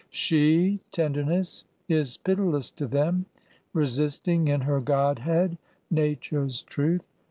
She, tenderness, is pitiless to them Resisting in her godhead nature's truth.